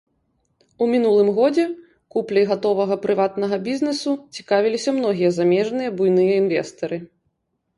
У мінулым годзе купляй гатовага прыватнага бізнесу цікавіліся многія замежныя буйныя інвестары.